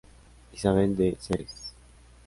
Isabel de Ceres".